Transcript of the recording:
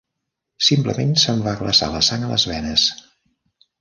Simplement se'm va glaçar la sang a les venes.